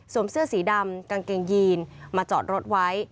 เสื้อสีดำกางเกงยีนมาจอดรถไว้